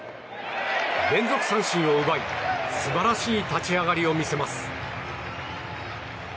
連続三振を奪い、素晴らしい立ち上がりを見せます。